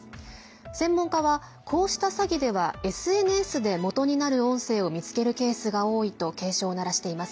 専門家は、こうした詐欺ではＳＮＳで元になる音声を見つけるケースが多いと警鐘を鳴らしています。